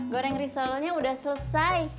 goreng risolonya udah selesai